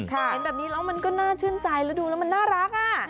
เห็นแบบนี้แล้วมันก็น่าชื่นใจแล้วดูแล้วมันน่ารักอ่ะ